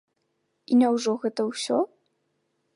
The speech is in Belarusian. І няўжо гэта ўсё?